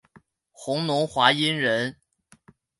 弘农华阴人。